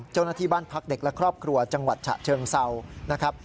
เจ้าหน้าที่บ้านพักเด็กและครอบครัวจังหวัดฉะเชิงเศร้านะครับ